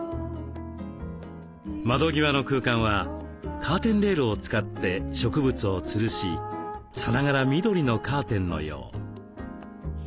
窓際の空間はカーテンレールを使って植物をつるしさながら緑のカーテンのよう。